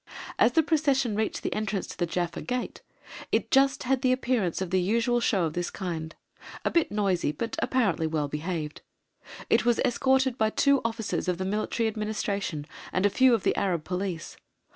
As the procession reached the entrance to the Jaffa Gate it just had the appearance of the usual show of this kind a bit noisy, but apparently well behaved. It was escorted by two officers of the Military Administration and a few of the Arab police.